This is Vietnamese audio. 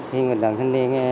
khi đoàn thanh niên